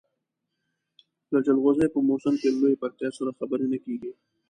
د جلغوزیو په موسم کې له لویې پکتیا سره خبرې نه کېږي.